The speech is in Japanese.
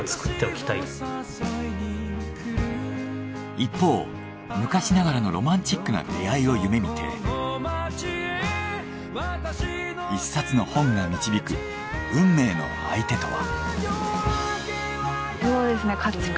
一方昔ながらのロマンチックな出会いを夢見て一冊の本が導く運命の相手とは？